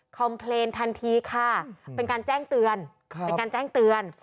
เพลนทันทีค่ะเป็นการแจ้งเตือนเป็นการแจ้งเตือน